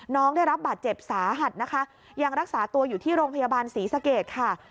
น้องได้รับบาดเจ็บสาหัสนะคะยังรักษาตัวอยู่ที่โรงพยาบาลศรีสเกตค่ะ